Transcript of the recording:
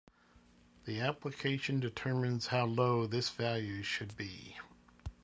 The application determines how low this value should be.